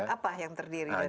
apa yang terdiri dari